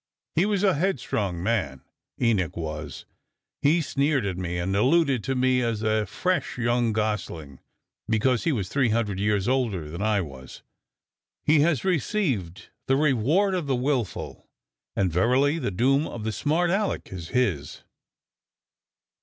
He was a headstrong man, Enoch was. He sneered at me and alluded to me as a fresh young gosling, because he was 300 years older than I was. He has received the reward of the willful, and verily the doom of the smart Aleck is his."